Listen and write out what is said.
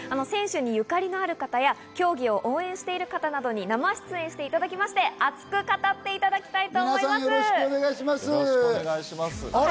選手にゆかりのある方や、競技を応援してる方などに生出演していただきまして、熱く語っていただ皆さん、よろしくお願いします。